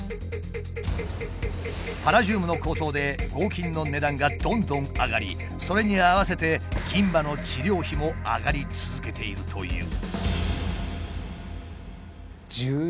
パラジウムの高騰で合金の値段がどんどん上がりそれに合わせて銀歯の治療費も上がり続けているという。